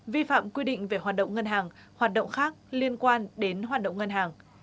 vi phạm quy định về hoạt động ngân hàng hoạt động khác liên quan đến hoạt động ngân hàng